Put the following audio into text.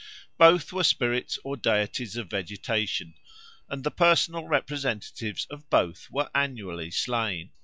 Both were spirits or deities of vegetation, and the personal representatives of both were annually slain.